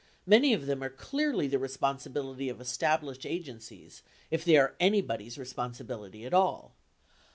Many of them are clearly the responsibility of established agencies, if they are anybody's responsibility at all.